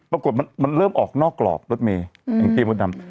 ปรากฏมันเริ่มออกนอกกรอบรถเมย์ของพี่มดดำ